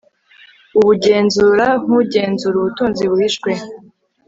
Ubugenzura nkugenzura ubutunzi buhishwe